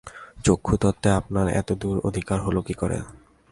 চক্ষুতত্ত্বে আপনার এতদূর অধিকার হল কী করে?